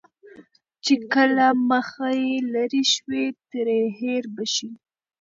چې که له مخه يې لرې شوې، ترې هېر به شې.